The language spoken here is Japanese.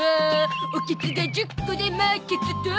おケツが１０個でマーケツト！